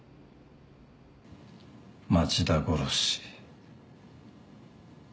町田殺し。